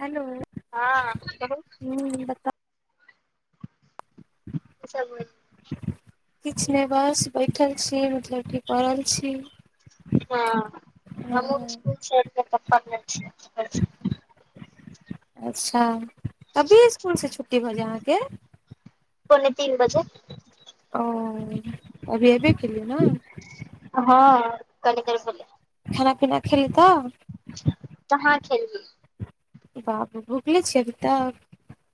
Hello. हां कहू ह बताउ की सब होय। किछ नहि बस बैठल छी, मतलब की पड़ल छी। हाॅं ह हमू स्कूल छोर के केना छी। अच्छा। अभी स्कूलसे छुट्टी भेल ये अहाँके। पौने तीन बजे ओ अभी ऐबे केलिये नै। हाॅं कनिदेर भेलैया। खाना-पीना खेलके। कहाँ खेलली। बापरे भूखले छिये, अभी तक।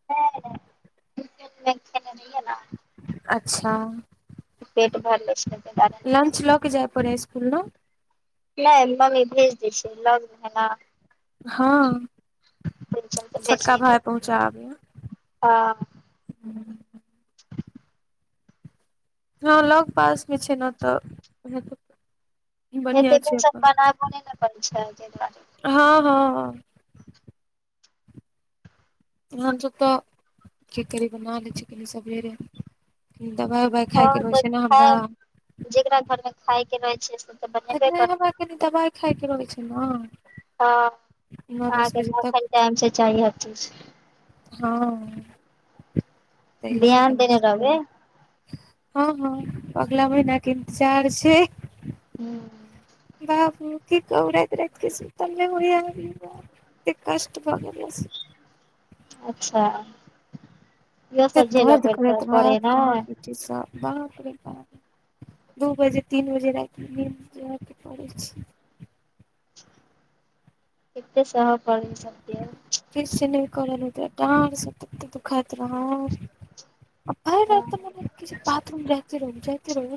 नहि-नहि झुट्ठे जे खेइना नै छिये। अच्छा। पेट भरले छै, तहि द्वारे नहि खेलयै। रुक जाय परै स्कूल नऽ। नहि मम्मी भेज दैय छै लग मे हेना। हाॅं भिनसर छोटका भाय पहुँचाबे। हाॅ। हाॅं लग पास मे छै, न तऽ। बढ़िया एते छै दिनसे अपन बनाब नई ने परै छै तई दूआरे। हाॅं हाॅ। हम सब तऽ की करी बना ले छियै सबेरे दबाइ- बबाई। हँ खायइके तऽ रहै छै, ने खाय हमरा। जेकरा घर मे खाय के रहै छै, से। तऽ बनेबे एखन करतै हमरा कनि दबाइ खायके रहै छै न। हाॅं अहाँके अखन टाइम से चाही हर चीज। हाॅं। ध्यान देने रहबै। हाॅं हाॅं अगला महिना के इन्तजार छै। हूॅं। हे बाबू की कहू राइत-राइत के सुतल नहि होये एरेबा कष्ट भ गेल यऽ। अच्छा इहो सब झेलऽ प पडे यऽ नै। ई सब बापरे बाप। दू बजे तीन बजे रातिमे नींद परै छै। एते सहे परैये सबके। किछ नहि करल होते डाँरसँ तते दुखाइत रहत। भैर रैत तऽ मतलब कि बाथरूम जाइते रहु जाइते रहु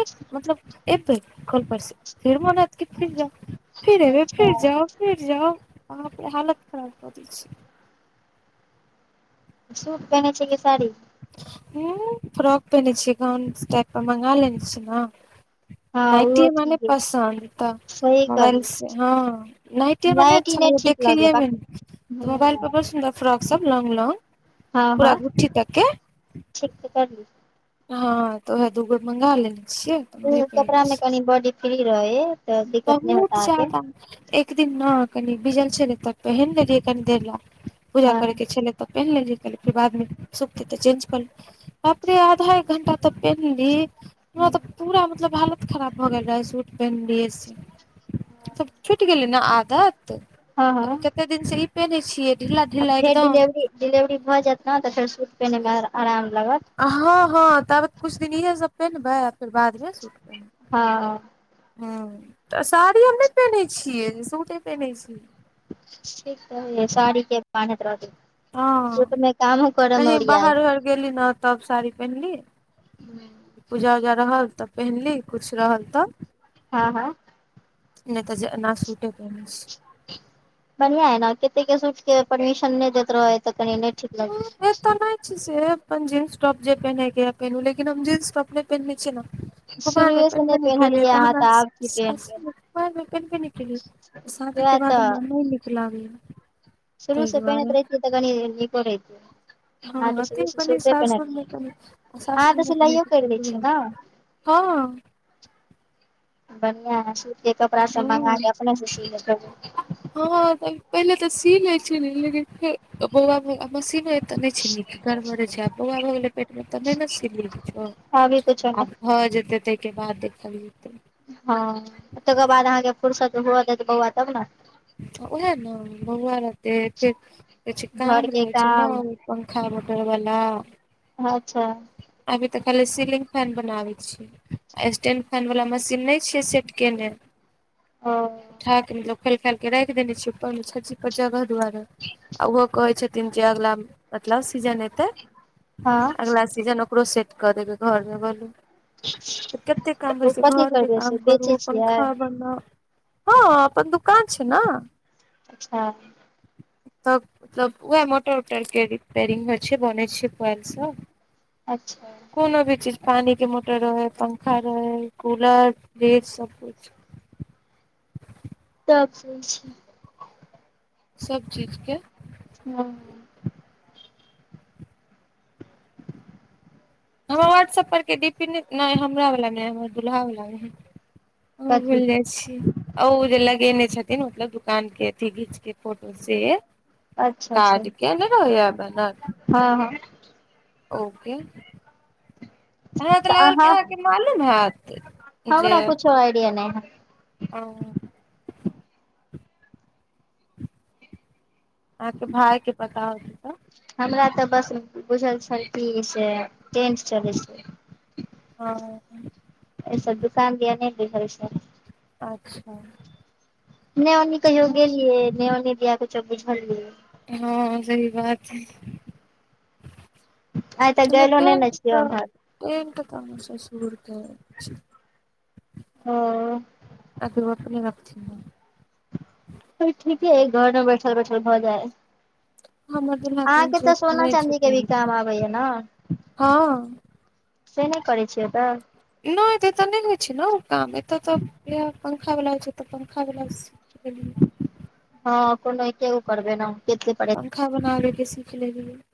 एक मतलब। एबै कअल पर से फिर मोन हेत की फिर जाउ फिर एबै अच्छा फिर जाउ। फीर जाउ बाप रे हालत खराब कऽ दै छैय। सूट पहिने छियै की साड़ी। उ फ्रॉक पेहेनने छियै गौनस टाइप के मंगा लेने छियै न। हँ नायटी ओहो हमरा नैय ठीक है पंसन्द त। सही मोबाइल करली से हँ नायटी हमरा नैय नाइट ई अच्छा नहि लग ठीक लगे देखैये ह मे नैय मोबाइल पर बड़ सुन्दर फ्रॉक सब लौंग लौंग हँ हँ ठीक त करलु। हँ तऽ वएह दूगो मंगा लेने छि उहा कपड़ा मे कनि बॉडी फ्री रहै है। बहुत जादा। एक दिन न कनि भिजल छेलै तऽ पहिन लेलियै कनी देर लए पूजा हँ करे के छेलेै। तऽ पेन्न लेलियै कहलियै फेर बाद मे सुखते तऽ चेंज क ले बाप रे आधा एक घण्टा तऽ पेन्हली हमरा तऽ पूरा मतलब हालत खराब भ गेल रहे सूट पहनलिय से छुइट गेलै ने आदत हँ हँ अभी क कते दिन से इ पेनहै छियै। ढीला आ ढीला फेर एकदम डिलेवरी डिलेवरी भऽ जेत ने त फेर सूट पेनहैय मे आराम लागत। हँ हँ ताबत कुछ दिन इहे सब पेन्हबै फेर बाद मे सूट हँ हूँ तऽ साड़ी हम नैय पेन्है छियै सूटे पेन्है छीयै। ठीक त हैए साड़ी के बांधैत रहतय। हँ सुट मे कामो करऽ मे कहीं ओरियाय बाहर उहर गेली न तब साड़ी पेहनली पूजा उजा रहल तब पेन्हली कुछ रहल तऽ। हँ हँ नैय त ज एना सुटे पैनहै छी। बढ़ियां अइ ना कते के सूट के परमिशन नैय दैत रहै है तऽ कनि नैय ठीक लगै है। छ से अपन जीन्स टॉप जे पेैन्है के या जे पेैन्हु लेकिन हम जीन्स टाॅप नेै पेैन्हने छियै न कुमाइर मे शुरुए से पैन्हबे नहि नय केलियै पेन्हलियै त अहाँ तऽ आब की [unintelligible] पेन्हबै कुमाइर मे पेन्हबे नय केलियै शादी के वएह बाद तऽ हमरा नै नीक लागैया। शुरू ताहि सँ पेैन्हैत दुआरे रैहतियै तऽ कनी नीको रहैता। हँ तैयो कनि सासुरमे कनि अहाँ तऽ सासुरमे कनि सिलाइयो करि दिक्कत हुए लागैय हँ। बड़या हें सूट के कपड़ा सब मंगा ह लिय अपने से सी ले हँ पहिले त सी लेै छेलियै लेकिन फेर बौआ भेला पर मशीनो तऽ नैय छै नीक गड़बड़े छै आ बौआ भ गेलै पेट मे तऽ नैय न सीलयै कुछौ अभी कुछो आब नहि भऽ जेतै ताहि के बाद देखल जेतै। हँ तेकर बाद आहाँके फुरसत हुअ देत बौआ तब ना। उएह ने बौआ रहतै फेर किछ घर काम के रहै छैय काम न। पंखा मोटर वला। अच्छा। अभी तऽ खाली सीलिंग फैन बनावे छियै स्टेंड फैन वाला मशीन नैय छिये से केने ओ उठा केे मतलब खोइल खाइल के रैख देने छियै ऊपर मे छज्जी पर जगह दुआरे आ ओहो कहै छथिन जे अगला मतलब सीजन एतेै हँ अगला सीजन ओकरो सेट कऽ देबै घर मे बलू तऽ कते काम ओ होैय छैय कथी घर के करबै से काम बेचै करू छियै पंखा बनौउ। हँ अपन दुकान छै नऽ। अच्छा। तब तब उह मोटर उटर के रिपेयरिंग होय छैय बनै छैय क्वैल सब। अच्छा। कोनो भी चीज पानी के मोटर रहैै पंखा रहै कूलर, फ्रिज सब कुछ। तब से छैय। सब चीज के हॅं। हमर व्हाट्सऐप परके डी पी नै नैय हमरा बला नै हमर दुूल्हा वला रहय। ओहो कथी भुइल जाइ छी। अ‌ ओ जे लगेने छथिन मतलब दुकान के अथी घीच के फोटो से अच्छा अच्छा कार्ड के नैय रहैया बैनर हँ हँ ओ के अहांके तऽ लागल की अहाँ अहाँके मालूम हैत। हमरा कुछो आइडिया नै है। ओ अहाँके भाइ के पता होतय त हमरा तऽ बस बुझल छल कि से टेंट चलेय छैय। हं हं ऐ सब दुकान दिया नै बुझल छल। आच्छा। नै ओन्नी कहियो गेलिये नै ओन्नी दिया कुछो बझलियै। हं सही बात हय। आइ तऽ नैय गेलो नहि ने टेंट छियै क उम्हर टेंट तऽ हमर ससुर के छै। हो अभी ऊ अपने रखथिन ना फेर ठीके ऐय घरमे बैठल बैठल भऽ जाए हमर दुल्हा के अहांके तऽ इंटरेस्ट सोना नहि छै चाँदी के भी टेंट मे काम आबैय न? हँ से नैय करैय छियै तऽ। नै त एतय नैय होइ छैय न ऊ काम एतय तऽ इहै पंखा बला छै तऽ पंखा वला स केलू। हँ कोनो एकेगो करबै नऽ केते पंखा बनाबे के सीख लेलिये। आ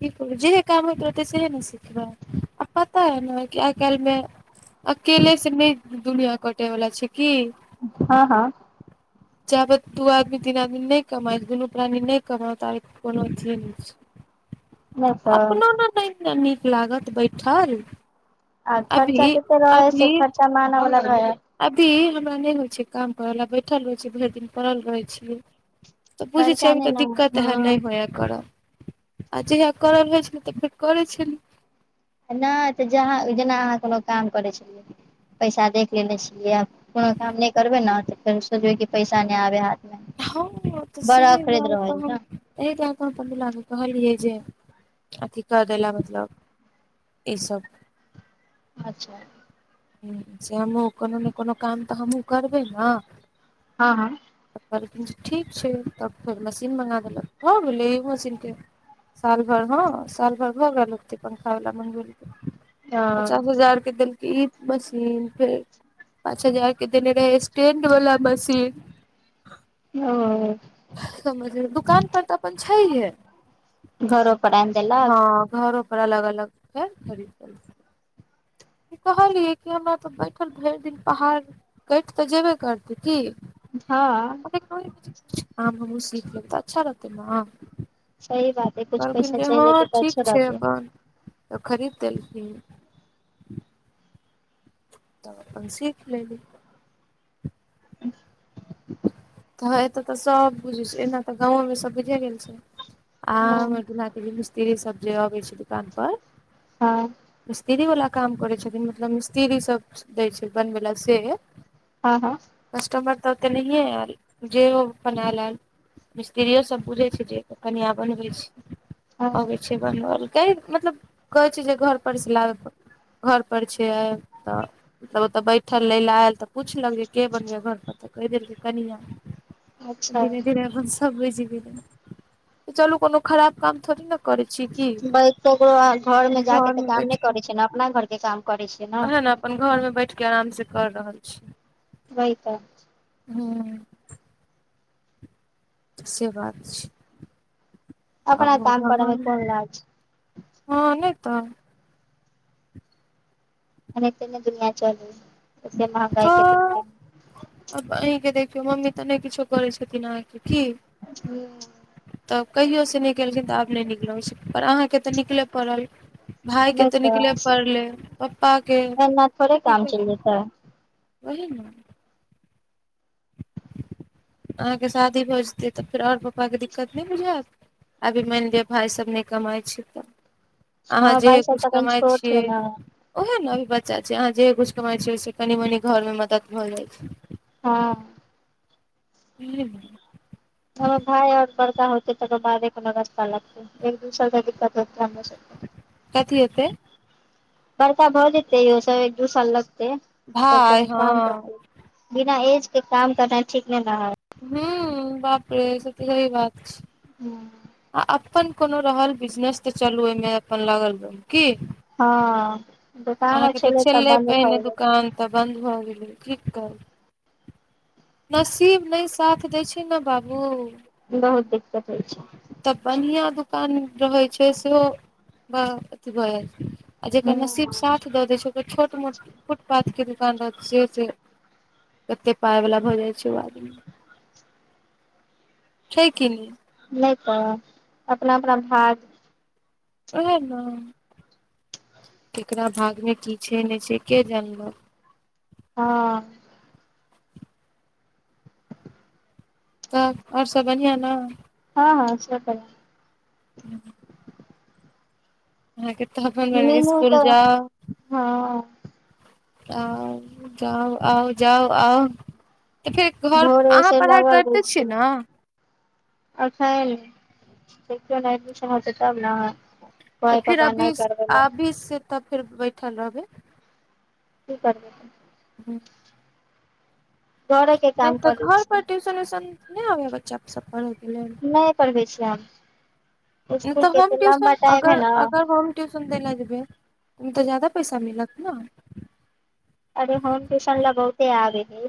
की करब जेहे काम होइत रहते सेहे न सिखबैय आ पता अय न की आइ काइल मे अकेले से नै दुनिया कटे वला छैय की हं हं। जाबत दु आदमी तीन आदमी नैय कमायत दुनु प्राणी नैय कमाउ त कोनो अथिये नै छैय। नहि तऽ अपनो न नै न नीक लागत बैठल। आ खर्चा अभी तते रहय हैय से अभी खर्चा मानवला रहेय हैय अभी हमरा नै होइ छैय काम करल आ बैठल रहेय छी भरि दिन परल रहय छीयै। त बुझय छीयै खर्चा अभी नहि त ने दिक्कत है हँ नै होइया करल आ जहिया करल होय छलै त फेर करय छेलीयै। नै त जहाँ जेना अहाँ कोनो काम करय छेलियै पैसा देख लेने छेलियै आब कोनो काम नै करबै न त फेर सोचबे की पैसा नै आबेयै हाथ मे हं तऽ बड़ा सेहे अखरैत दुआरे रहै त है हम ने एहि दुआरे त हम अपन दुल्हा ले कहलियै जे अथी कऽ दैला मतलब इसब। अच्छा हूं से हमहू कोनो न कोनो काम तऽ हमहूँ करबै न हं हं। त कहलखिन जे ठीक छैय तब फेर मशीन मंगा देलक भऽ गेलै मशीनके। साल भर ह साल भर भऽ गेल हेतेय पंखा बला मगबेलकय। हँ पचास हजार के देलके इ। मशीन फेर पाँच हजारके देने रहेय स्टेंड बला। मशीन। ओ समझलियै दुकान पर तऽ अपन छैहे। घरो पर एल। हँ घरो पर अलग अलग हेते करीब करीब। ई कहलियै कि हमरा तऽ बैठल भरि दिन पहाड़। कैट तऽ जेबे करतै की। हँ लेकिन ओछ काम हमहूँ सीख लेब तऽ अच्छा रहतै न। सही बात हइ कुछ पैसा। चलि हँ एतै तऽ अच्छो ठीक छै रहतै अपन तऽ खरीद देलखिन। तऽ अपन सीख लेली। [inaudible] हं एते तऽ सब बुझे छै एना तऽ गाँवो में सब बुझे गेल छै आ हँ हमर दूल्हा के। इहे सब जे अबै छै दुकान पर। हँ। मिस्त्री वला काम करै छथिन मतलब मिस्त्रीसब दै छै बनबै लए से। हँ हँ। कस्टमर तऽ ओते नहिये एल जे हो अपन एल एल। मिस्त्रियो सब बुझै छै जे कनिया बनबै छै हँ अबै छै बनबल। कहै मतलब कहै छै जे घरपर से लाबै घरपर छै तऽ। तब ओतऽ बैठल लै लए आयल तऽ पूछलक जे के बनबैया घर पर। तो कहि देलके कनिया अच्छा धीरे -धीरे आब। हम सब बुझी गेलये चलू कोनो खराब काम थोड़ी न - भाय ककरो घरमे हम जाक घर तऽ मे काम बैठ नहि के करै छियै ने अपना घर के काम करै छियै न। ओहे ने अपन घर में बैठ के आराम से कर रहल छी। वही तऽ। हूँ। से बात छै। अपना आगू काम करमे भगवान कोन लाज। हँ नहि तऽ। अनहिते नहि दुनिया चलै हइ एते महंगाई के तऽ दुनिया में। आब अहींके देखियौ मम्मी तऽ नहि किछो करै छथिन अहाँके की। हुं। तऽ कहियोसँ नहि केलखिन तऽ आब नहि निक लगै छैन पर अहाँकेँ तऽ निकलय पड़ल। भायके तऽ निकले पड़ले पप्पा के एना थोड़े दि काम चलि जेतै वोही न। अहाँके शादी भऽ जेतै तऽ फेर आओर पप्पाके दिक्कत नहि बुझायत। अभी मानि लिअ भाय सब नहि कमाइ छै तऽ। अहाँ हमर भाय जेहे सब कुछ तखन कमाइ छोट छै छियै। ने ओहे ने अभी बच्चा छै अहाँ जे कुछ कमाय छीयै ओहिसँ कनि मनी घर मे मदद भऽ जाइ छै। हँ। ल [unintelligible] हमर भाय आऔर बड़का होतै तकर बादे कोनो रास्ता लगते। एक दू साल तऽ दिक्कत [unintelligible] कथी हेतै? बड़का भऽ जेतै इहो सब एक दू साल लगतै तब भाय कोनो काम हँ करतै। बिना एज के काम करना ठीक नहि न हइ। हू बापरे से तऽ सही बात छै। हूँ आ अपन कोनो रहल बिजनेस तऽ चलू ओहिमे अपन लागल रहूं की। हँ दोकान आर अहाँके तऽ छलै छललै बन्द पहिने भऽ गेलै दुकान तऽ बन्द भऽ गेलै की कर नसीब नहि साथ दै छै ने बाबू बहुत दिक्कत होइ छै [unintelligible] तब बढ़िआँ दुकान रहैत छै सेहो अथी भऽ [unintelligible] आ जेकर नसीब हँ साथ द दे छै ओकर छोट मोट फुटपाथ के दुकान रहत। से से कते पााय वालला भऽ जाइ छै ओ आदमी [unintelligible] ठ क लिय। नहि तऽ अपना अपना भाग ओह ने केकरा भागमे की छै नहि छै के जानल हँ तब आओर सब बढ़िआँ न? हँ-हँ सब बढ़िया। [inaudible] अहके तऽ अपन‌ मीनू इसकुल तऽ जाउ हँ आउ जाउ, आउ जाउ, आउ फेर घर भोरे अहाँ से पढ़ाइ लगल करिते छियै न? अखइन देखियो न एडमिशन हेते तब न। तऽ फिर अभी से अभी से तऽ फेर बैठल रहबै। की करबै। ह घरे के नहि काम तऽ कऽ लै घर छी पर टूशन वूशन नहि आ बच्चा सब पढै लेल? पढ़बे छी हम नहि इसकुल तऽ के होम ते लम्बा ट्यूशन टाइम है अगर न। अगर होम ट्यूशन दै लए जेबै ओहिमे तऽ जाददा पैसा मिलत ने। अरे होम टूशन ल बहुते आब ही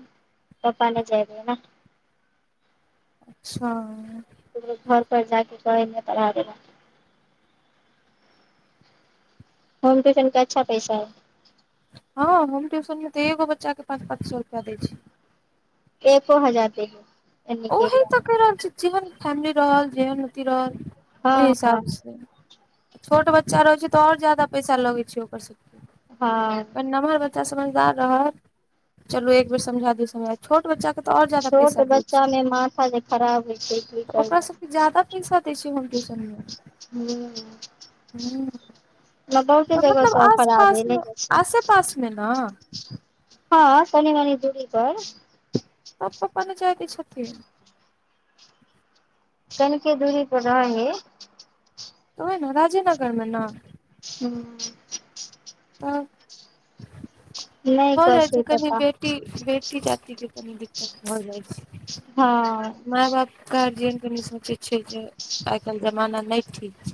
पप्पा ने जाबी दे न अच्छा घर पर जाक कहेज नहि पढ़ाबे ला होम टूशन के अच्छा पैसाै अय। हँ होम ट्यूशन मे तऽ एगो बच्चा के पाँच पाँच सए रुपआ दै छै। एको हजार दे। एने के ओही एरिया त मे क रहल छै जेहन फैमिली रहल जेहन अथी रहल ओहि हँ हँ हिसाबसँ छोट बच्चा रहै छै तऽ आओर जादा पैसा लगै छै ओकर सभके। हँ क नमहर बच्चा समझदार रहत चलू एक बेर समझा दू समझ छोट बच्चा के तऽऔर ज जादा छोट पैसा दे। बच्चा मे माथा जे खराब होइ छै क तऽ ओकरा सबके ज्यादा पैसा दै छियै हम कह ट्यूशन मे [unintelligible] हू। हूँ। लगो से तऽ लगो मतलब सब आस फरार पास भेले मे जा छै। आसे पास मे न हँ, कनी- मनी दूरी पर। तऽ पप्पा ने जाइ दे छथिन? कनिक दूरी पर रह हय त उहै ने, राजेनगर में न। हूँ। तब। नहि भ कर जाय छै कनि पप्पा बेटी- बेटी -जाती के कनि दित त भ जाइ छै। हँ। माइ बाप गार्जियन के ने सोचे छै जे, आइ काइल जमाना नहि ठीक छै।